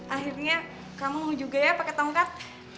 akhirnya kamu mau juga ya pake tongkat